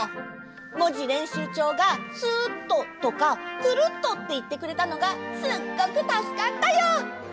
もじれんしゅうチョウが「スット」とか「クルット」っていってくれたのがすっごくたすかったよ！